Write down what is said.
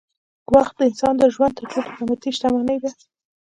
وخت د انسان د ژوند تر ټولو قېمتي شتمني ده.